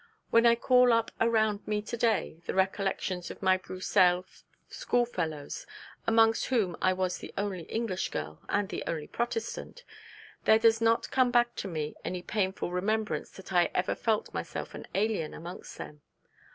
When I call up around me to day the recollections of my Bruxelles schoolfellows, amongst whom I was the only English girl and the only Protestant, there does not come back to me any painful remembrance that I ever felt myself an alien amongst them.